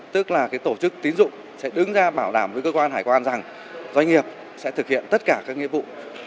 tức là tổ chức tín dụng sẽ đứng ra bảo đảm với cơ quan hải quan rằng doanh nghiệp sẽ thực hiện tất cả các nghĩa vụ